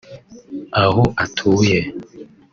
aho atuye